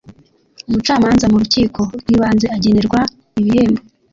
umucamanza mu rukiko rw ibanze agenerwa ibihembo.